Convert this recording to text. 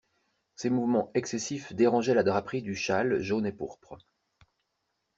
Ces mouvements excessifs dérangeaient la draperie du châle jaune et pourpre.